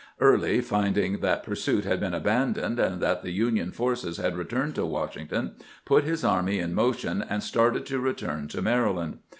Early, finding that pursuit had been abandoned, and that the Union forces had returned to "Washington, put his army in motion and started to return to Maryland.